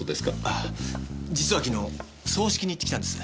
ああ実は昨日葬式に行ってきたんです。